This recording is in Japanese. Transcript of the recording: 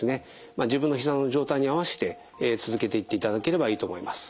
自分のひざの状態に合わせて続けていっていただければいいと思います。